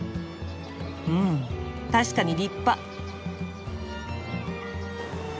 うん確かに立派！